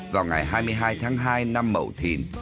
vào ngày hai mươi hai tháng hai năm mậu thìn